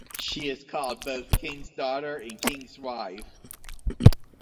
She is called both 'King's Daughter" and "King's Wife".